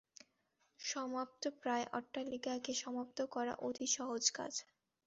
সমাপ্তপ্রায় অট্টালিকাকে সমাপ্ত করা অতি সহজ কাজ।